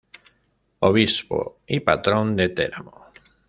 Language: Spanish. Obispo y Patrón de Teramo.